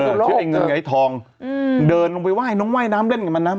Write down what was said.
ห้มเดินลงไปไหว้น้องไหว้น้ำเล่นกับมันนะ